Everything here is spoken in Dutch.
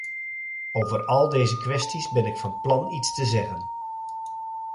Over al deze kwesties ben ik van plan iets te zeggen.